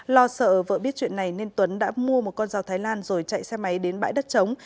lo sợ vợ biết chuyện này nên tuấn đã mua một con dao thái lan rồi chạy xe máy đến bãi đất chống